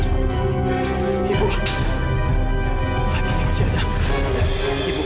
kau tidak bisa berdiri seperti apa